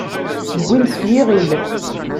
Wwin-t s yiɣil.